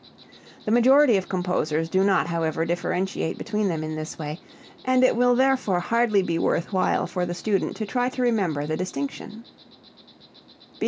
The majority of composers do not however differentiate between them in this way, and it will therefore hardly be worth while for the student to try to remember the distinction.